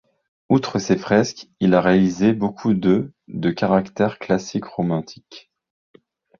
Outre ces fresques, il a réalisé beaucoup de de caractère classique-romantique.